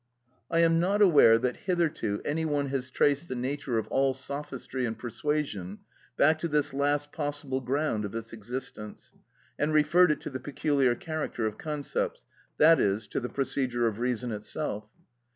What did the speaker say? I am not aware that hitherto any one has traced the nature of all sophistry and persuasion back to this last possible ground of its existence, and referred it to the peculiar character of concepts, i.e., to the procedure of reason itself.